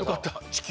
地球。